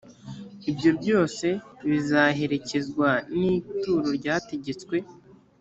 ibyo byose bizaherekezwa n’ituro ryategetswe